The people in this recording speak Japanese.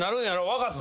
分かった。